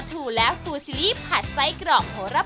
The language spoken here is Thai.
วันนี้ขอบคุณพี่อมนต์มากเลยนะครับ